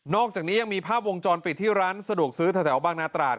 อกจากนี้ยังมีภาพวงจรปิดที่ร้านสะดวกซื้อแถวบางนาตราด